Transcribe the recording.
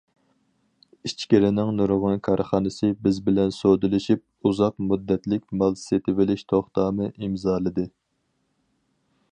ئىچكىرىنىڭ نۇرغۇن كارخانىسى بىز بىلەن سودىلىشىپ، ئۇزاق مۇددەتلىك مال سېتىۋېلىش توختامى ئىمزالىدى.